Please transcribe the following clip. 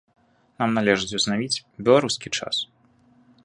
Нам належыць узнавіць беларускі час.